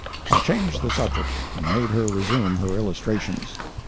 I changed the subject, and made her resume her illustrations.